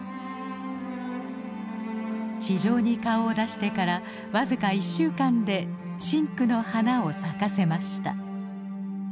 地上に顔を出してからわずか１週間で深紅の花を咲かせました。